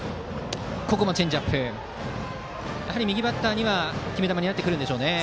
やはり右バッターには決め球になってくるんでしょうね。